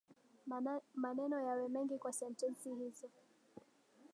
Maneno yawe mengi kwa sentensi hizo